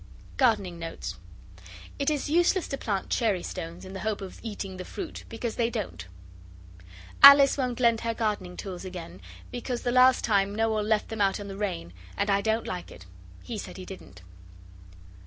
GARDENING NOTES It is useless to plant cherry stones in the hope of eating the fruit, because they don't! Alice won't lend her gardening tools again, because the last time Noel left them out in the rain, and I don't like it. He said he didn't.